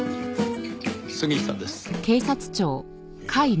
杉下です。